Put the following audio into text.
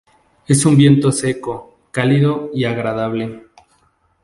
Es un viento seco, cálido y "agradable".